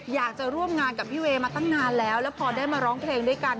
อยากจะร่วมงานกับพี่เวย์มาตั้งนานแล้วแล้วพอได้มาร้องเพลงด้วยกัน